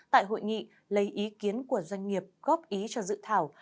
tại hội nghị lấy ý kiến của doanh nghiệp góp ý cho dự thảo